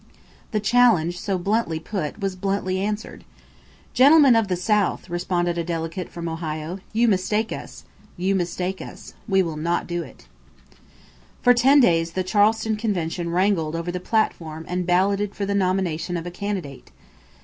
The challenge, so bluntly put, was as bluntly answered. "Gentlemen of the South," responded a delegate from Ohio, "you mistake us. You mistake us. We will not do it." For ten days the Charleston convention wrangled over the platform and balloted for the nomination of a candidate.